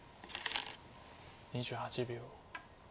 ２８秒。